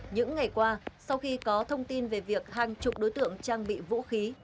những ngày qua sau khi có thông tin về việc hàng chục đối tượng trang bị vũ khí